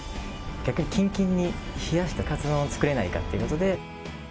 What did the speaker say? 逆にきんきんに冷やしたかつ丼を作れないかということで。